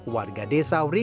warga desa wring